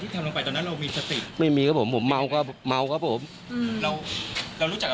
ตลอดทั้งคืนตลอดทั้งคืน